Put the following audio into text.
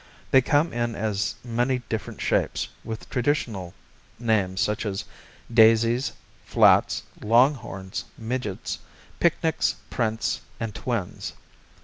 They come in as many different shapes, with traditional names such as Daisies, Flats, Longhorns, Midgets, Picnics, Prints and Twins.